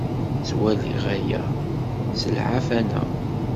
Ttwaliɣ aya d leɛfana.